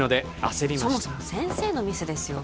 そもそも先生のミスですよ